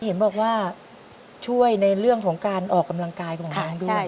เห็นบอกว่าช่วยในเรื่องของการออกกำลังกายของร้านด้วย